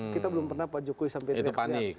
kita belum pernah pak jokowi sampai teriak teriak